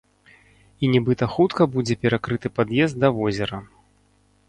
І нібыта хутка будзе перакрыты пад'езд да возера.